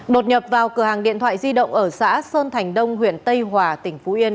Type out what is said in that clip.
đột nhập vào cửa hàng điện thoại di động ở xã sơn thành đông huyện tây hòa tỉnh phú yên